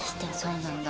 そうなんだ。